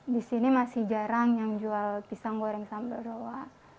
di sini masih jarang yang jual pisang goreng sambal roa